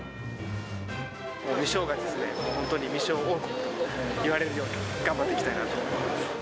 ミショーが本当に、ミショー王国といわれるように頑張っていきたいなと思います。